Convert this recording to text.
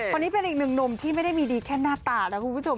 คนนี้เป็นอีกหนึ่งหนุ่มที่ไม่ได้มีดีแค่หน้าตานะคุณผู้ชม